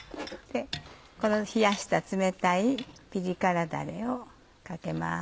この冷やした冷たいピリ辛ダレをかけます。